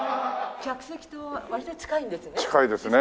客席と割と近いんですね。